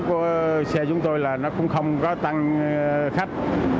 của xe chúng tôi là nó cũng không có tăng khách